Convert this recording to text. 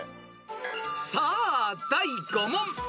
［さあ第５問］